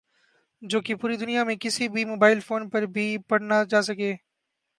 جو کہ پوری دنیا میں کِسی بھی موبائل فون پر بھی پڑھنا جاسکیں